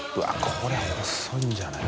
これ細いんじゃない？